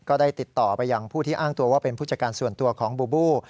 ก็ได้ติดต่อไปยังผู้ที่อ้างตัวว่าเป็นผู้จัดการส่วนตัวของบูบู